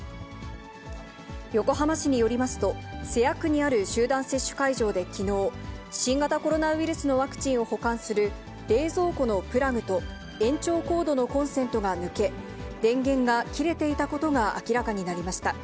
横浜市によりますと、瀬谷区にある集団接種会場できのう、新型コロナウイルスのワクチンを保管する、冷蔵庫のプラグと延長コードのコンセントが抜け、電源が切れていたことが明らかになりました。